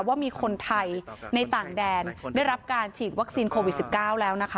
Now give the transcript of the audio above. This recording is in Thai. ว่ามีคนไทยในต่างแดนได้รับการฉีดวัคซีนโควิด๑๙แล้วนะคะ